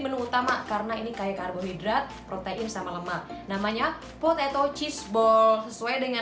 menu utama karena ini kayak karbohidrat protein sama lemak namanya potato cheeseball sesuai dengan